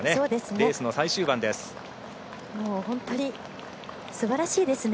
レースの最終盤ですね。